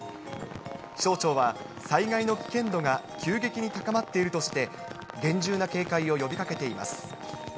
気象庁は、災害の危険度が急激に高まっているとして、厳重な警戒を呼びかけています。